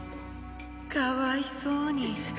かわいそうに。